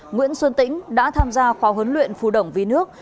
nguyễn xuân tĩnh đã tham gia khóa huấn luyện phù đồng vì nước